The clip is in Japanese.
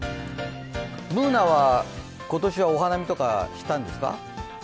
Ｂｏｏｎａは今年はお花見とかしたんですか？